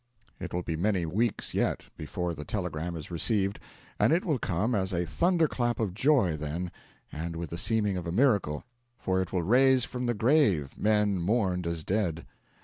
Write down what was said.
It will be many weeks yet before the telegram is received, and it will come as a thunderclap of joy then, and with the seeming of a miracle, for it will raise from the grave men mourned as dead.